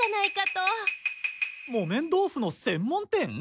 木綿豆腐の専門店？